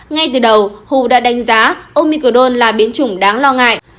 ngay từ đầu who đã đánh giá omicron là biến chủng đáng lo ngại